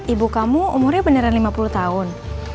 ibu kamu umurnya beneran lima puluh tahun